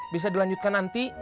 bisa dilanjutkan nanti